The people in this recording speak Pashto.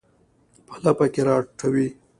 په لپه کې راټوي